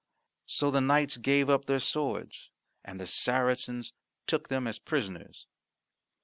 So the knights gave up their swords, and the Saracens took them as prisoners.